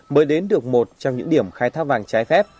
mới đến được một trong những điểm khai thác vàng trái phép